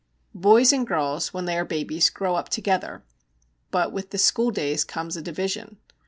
Boys and girls when they are babies grow up together, but with the schooldays comes a division.